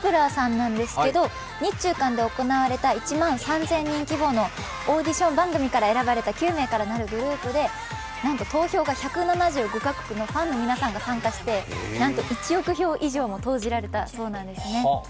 １ｅｒさんなんですけど日中韓で行われた１万３０００人規模で行われたオーディション９名から成るグループで、なんと投票が１７５カ国のファンの皆さんが参加して、なんと１億票以上も投じられたそうです。